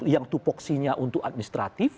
yang tupoksinya untuk administratif